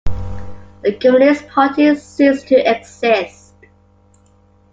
The Communist Party ceased to exist.